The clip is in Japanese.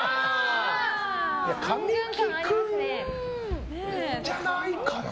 神木君じゃないかな。